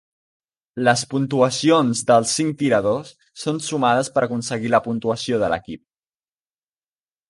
Les puntuacions dels cinc tiradors són sumades per aconseguir la puntuació de l'equip.